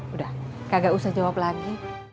udah gak usah jawab lagi